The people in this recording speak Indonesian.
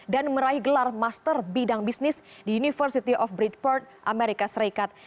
dan meraih gelar master bidang bisnis di university of breedport amerika serikat